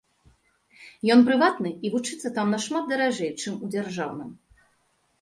Ён прыватны, і вучыцца там нашмат даражэй, чым у дзяржаўным.